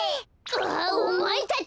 うわおまえたち！